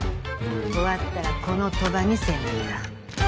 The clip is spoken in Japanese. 終わったらこの賭場に潜入だ。